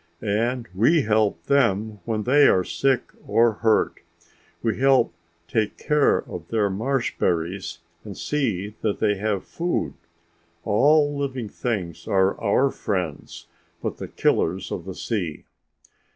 "And we help them when they are sick or hurt. We help take care of their marshberries and see that they have food. All living things are our friends but the killers of the sea."